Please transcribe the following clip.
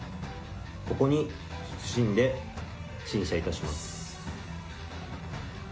ここに謹んで陳謝いたします。